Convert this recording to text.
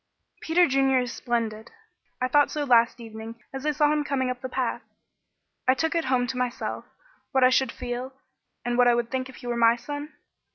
"Peter Junior is splendid. I thought so last evening as I saw him coming up the path. I took it home to myself what I should feel, and what I would think if he were my son.